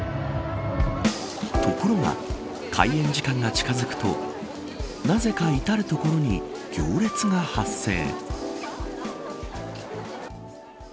ところが、開演時間が近づくとなぜか至る所に行列が発生。